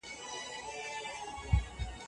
وروسته بدلون پيل سو.